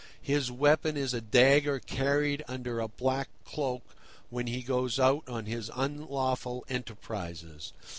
His weapon is a dagger carried under a black cloak when he goes out on his unlawful enterprises.